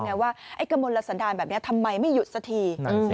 ว่ากระมนละสันดารแบบนี้ทำไมไม่หยุดสักที